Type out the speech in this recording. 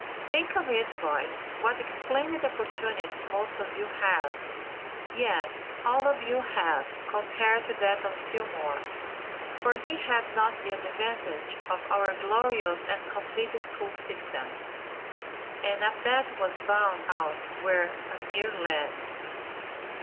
Think of it boys, what splendid opportunities most of you have; yes, all of you have, compared to that of Fillmore, for he had not the advantage of our glorious and complete school system, and at that was bound out when a mere lad.